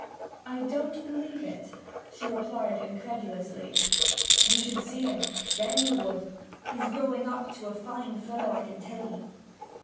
'I don't believe it,' she replied incredulously. 'You should see him; then you would. He's growing up a fine fellow, I can tell 'ee.'